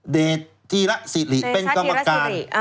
เดชธีระสิริเป็นกรรมการ